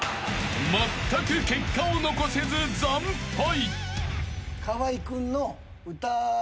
［まったく結果を残せず惨敗］